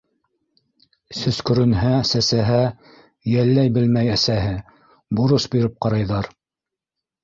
— Сөскөрөнһә, сәсәһә Йәлләй белмәй әсәһе, Борос биреп ҡарайҙар